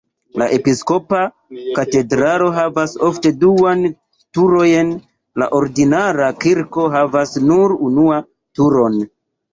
La episkopa katedralo havas ofte duan turojn, la ordinara kirko havas nur unua turon.